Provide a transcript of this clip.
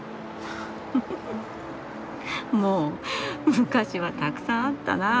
「昔はたくさんあったなぁ」